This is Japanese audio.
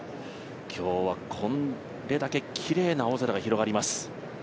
今日はこれだけきれいな青空が広がります。